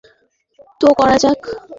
তো করা যাক।